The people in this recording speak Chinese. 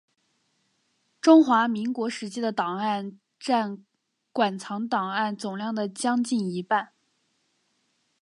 中华民国时期的档案占馆藏档案总量的将近一半。